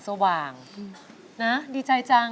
สวัสดีครับ